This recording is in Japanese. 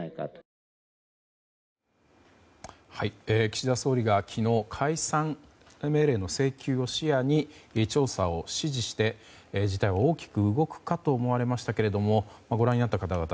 岸田総理が昨日解散命令の請求を視野に調査を指示して、事態は大きく動くかと思われましたがご覧になった方々